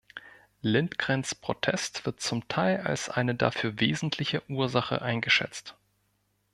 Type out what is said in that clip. Lindgrens Protest wird zum Teil als eine dafür wesentliche Ursache eingeschätzt.